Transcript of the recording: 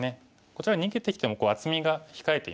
こちらに逃げてきても厚みが控えていますからね。